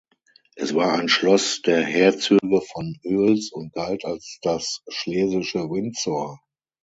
Es war ein Schloss der Herzöge von Oels und galt als das „schlesische Windsor“.